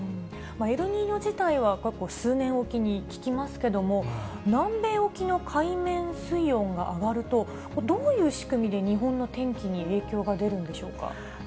エルニーニョ自体は、結構、数年置きに聞きますけども、南米沖の海面水温が上がると、どういう仕組みで日本の天気に影響が出るんでしょうか。